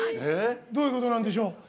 どういうことなんでしょう？